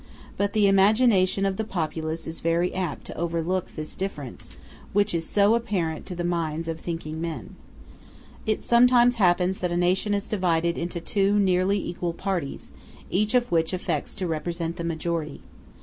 But the imagination of the populace is very apt to overlook this difference, which is so apparent to the minds of thinking men. It sometimes happens that a nation is divided into two nearly equal parties, each of which affects to represent the majority.